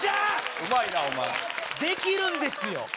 うまいなお前できるんですよ